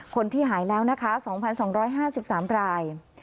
คนที่หายแล้วนะคะ๒๒๕๓ราย